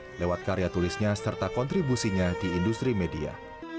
jakob utama menerima penghargaan lifetime achievement awards serta kontribusinya di industri media